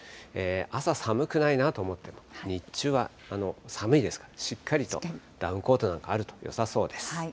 朝寒くないなと思っても、日中は寒いですから、しっかりとダウンコートなんかあるとよさそうです。